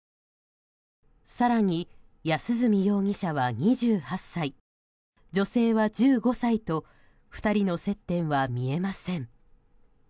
更に、安栖容疑者は２８歳女性は１５歳と２人の接点は見えません。